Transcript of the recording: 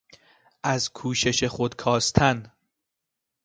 از کوشش خود کاستن